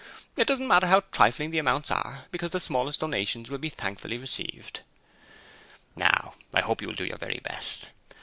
It doesn't matter how trifling the amounts are, because the smallest donations will be thankfully received. 'Now, I hope you will all do your very best.